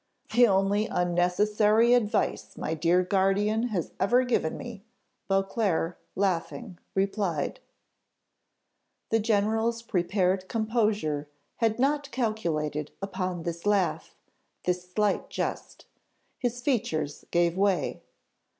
"The only unnecessary advice my dear guardian has ever given me," Beauclerc, laughing, replied. The general's prepared composure had not calculated upon this laugh, this slight jest; his features gave way.